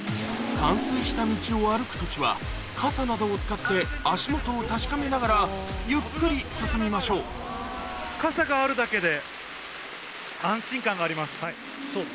冠水した道を歩く時は傘などを使って足元を確かめながらゆっくり進みましょう傘があるだけで。